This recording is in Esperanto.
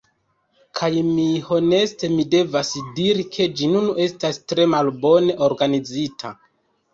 Kaj mi… Honeste mi devas diri ke ĝi nun estas tre malbone organizita.